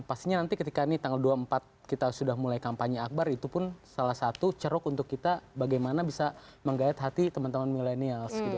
pastinya nanti ketika ini tanggal dua puluh empat kita sudah mulai kampanye akbar itu pun salah satu ceruk untuk kita bagaimana bisa menggayat hati teman teman milenials gitu